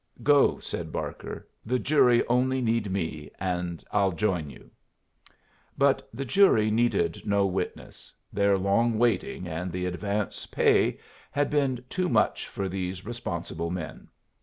"Go," said Barker. "The jury only need me, and I'll join you." But the jury needed no witness. Their long waiting and the advance pay had been too much for these responsible men.